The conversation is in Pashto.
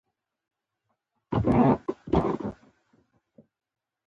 چې باڼه پر باڼه کېږدې؛ بيا به هله ارمان وکړې.